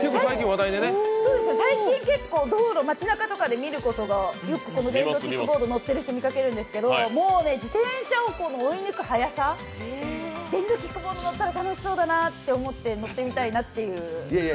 最近結構街なかとかで、電動キックボード乗っている人見かけるんですけどもう、自転車を追い抜く速さ電動キックボード乗ったら楽しそうだなと思って、乗ってみたいなっていう。